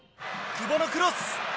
久保のクロス。